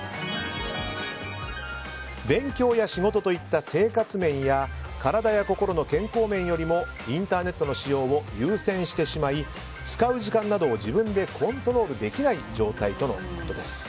勉強や仕事といった生活面や体や心の健康面よりもインターネットの使用を優先してしまい、使う時間などを自分でコントロールできない状態とのことです。